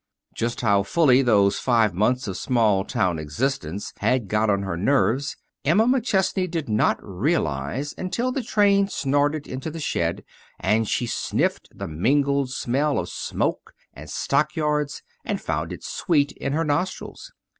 Just how fully those five months of small town existence had got on her nerves Emma McChesney did not realize until the train snorted into the shed and she sniffed the mingled smell of smoke and stockyards and found it sweet in her nostrils.